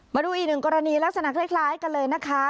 มาดูอีกหนึ่งกรณีลักษณะคล้ายกันเลยนะคะ